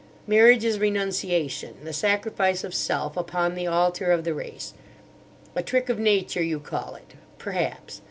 Marriage is renunciation, the sacrifice of Self upon the altar of the race. 'A trick of Nature' you call it. Perhaps.